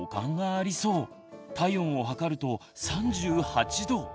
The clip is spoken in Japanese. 体温を測ると３８度！